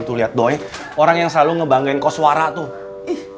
tuh liat doi orang yang selalu ngebanggain koswara tuh